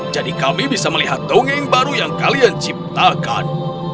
jadi kami bisa melihat dongeng baru yang kalian ciptakan